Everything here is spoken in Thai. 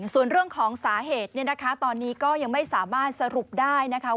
ส่วนเรื่องของสาเหตุเนี่ยนะคะตอนนี้ก็ยังไม่สามารถสรุปได้นะคะ